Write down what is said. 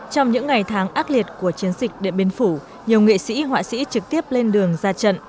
trong những ngày tháng ác liệt của chiến dịch điện biên phủ nhiều nghệ sĩ họa sĩ trực tiếp lên đường ra trận